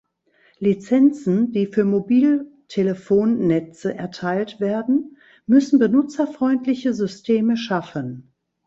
Lizenzen, die für Mobiltelefonnetze erteilt werden, müssen benutzerfreundliche Systeme schaffen.